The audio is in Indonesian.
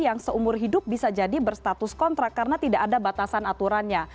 yang seumur hidup bisa jadi berstatus kontrak karena tidak ada batasan aturannya